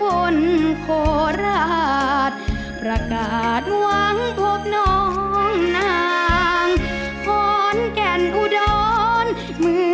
รุ่นดนตร์บุรีนามีดังใบปุ่ม